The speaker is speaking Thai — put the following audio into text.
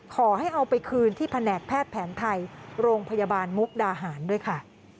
ขอให้เอาไปคืนที่แผนกแพทย์แผนไทยโรงพยาบาลมุกดาหารด้วยค่ะ